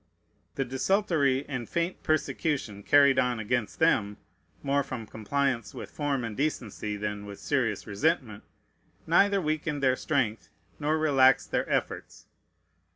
The desultory and faint persecution carried on against them, more from compliance with form and decency than with serious resentment, neither weakened their strength nor relaxed their efforts.